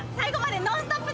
『ノンストップ！』